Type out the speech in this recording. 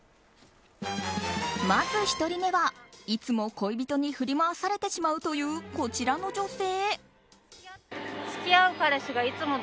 まず１人目は、いつも恋人に振り回されてしまうというこちらの女性。